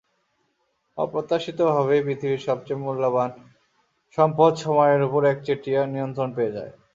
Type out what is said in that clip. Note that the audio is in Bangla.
অপ্রত্যাশিতভাবেই, পৃথিবীর সবচেয়ে মূল্যবান সম্পদ সময়ের ওপর একচেটিয়া নিয়ন্ত্রণ পেয়ে যায়।